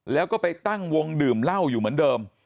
แล้วก็ไปตั้งวงดื่มเหล้าอยู่เหมือนเดิม